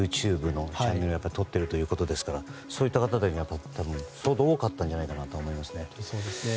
ＹｏｕＴｕｂｅなどを撮っているということですからそういった方々で、相当多かったんじゃないかと思いますね。